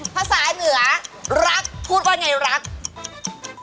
ภาษาเหนือรักพูดว่าอย่างไรรัก